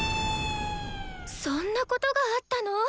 そんなことがあったの？